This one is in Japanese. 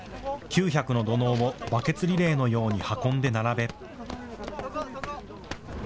９００の土のうをバケツリレーのように運んで並べ。